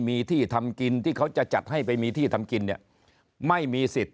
มีที่ทำกินที่เขาจะจัดให้ไปมีที่ทำกินเนี่ยไม่มีสิทธิ์